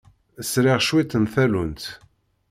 Sriɣ cwiṭ n tallunt.